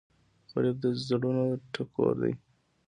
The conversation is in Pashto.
غریب د زړونو ټکور دی